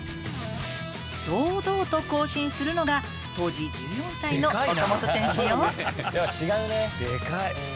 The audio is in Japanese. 堂々と行進するのが当時１４歳の岡本選手よでかい！